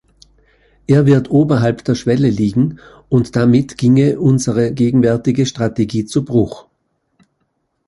Er wird oberhalb der Schwelle liegen, und damit ginge unsere gegenwärtige Strategie zu Bruch.